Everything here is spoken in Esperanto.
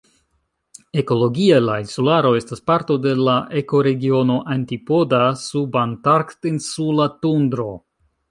Ekologie, la insularo estas parto de la ekoregiono "antipoda-subantarktinsula tundro".